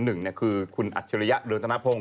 หนึ่งคือคุณอัจฉริยะเรืองธนพงศ